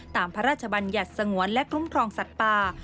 พระราชบัญญัติสงวนและคุ้มครองสัตว์ป่า